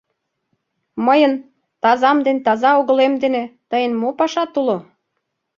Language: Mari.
— Мыйын тазам ден таза огылем дене тыйын мо пашат уло?